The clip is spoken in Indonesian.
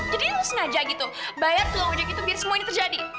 jadi lo sengaja gitu bayar tukang ojek itu biar semua ini terjadi